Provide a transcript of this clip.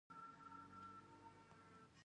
او ژوند یې پر فاتحه ورکښېنوی